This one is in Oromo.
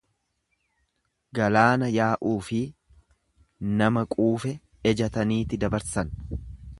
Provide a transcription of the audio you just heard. Galaana yaa'uufi nama quufe ejataniiti dabarsan.